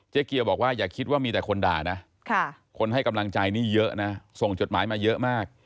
เกียวบอกว่าอย่าคิดว่ามีแต่คนด่านะคนให้กำลังใจนี่เยอะนะส่งจดหมายมาเยอะมาก